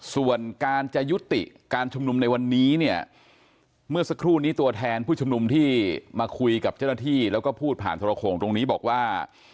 ส่วนการจะยุติการชุมนุมในวันนี้เนี่ยเมื่อสักครู่นี้ตัวแทนผู้ชุมนุมที่มาคุยกับเจ้าหน้าที่แล้วก็พูดผ่านโทรโขงตรงนี้บอกว่า